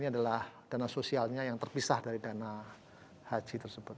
ini adalah dana sosialnya yang terpisah dari dana haji tersebut